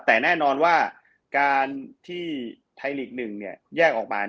แต่แน่นอนว่าการที่ไทยลีก๑แยกออกมา